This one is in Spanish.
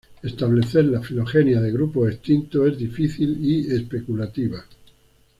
Establecer la filogenia de grupos extintos es difícil y especulativa.